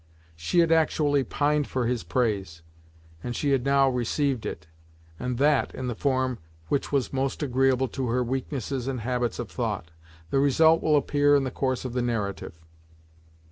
She had actually pined for his praise, and she had now received it, and that in the form which was most agreeable to her weaknesses and habits of thought. The result will appear in the course of the narrative.